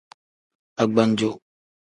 Agbanjo.